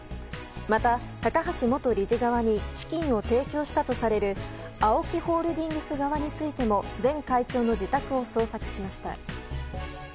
また、高橋元理事側に資金を提供したとされるＡＯＫＩホールディングス側についても前会長の自宅を捜索しました。